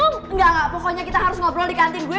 oh enggak pokoknya kita harus ngobrol di kantin gue